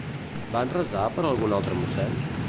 Van resar per algun altre mossèn?